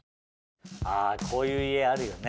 あこういう家あるよね。